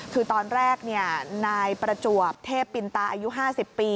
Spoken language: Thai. คือตอนแรกนายประจวบเทพปินตาอายุ๕๐ปี